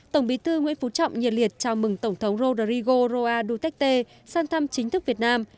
tổng bí thư nguyễn phú trọng nhiệt liệt chào mừng tổng thống rodrigo roa duterte sang thăm chính thức việt nam